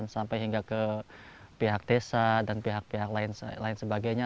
sampai hingga ke pihak desa dan pihak pihak lain sebagainya